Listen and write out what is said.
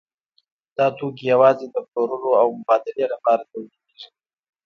دا توکي یوازې د پلورلو او مبادلې لپاره تولیدېږي